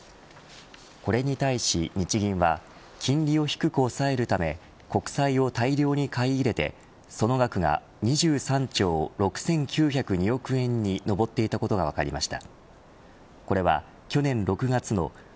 これに対し日銀は金利を低く抑えるため国債を大量に買い入れてその額が２３兆６９０２億円に上っていたことが分かりました。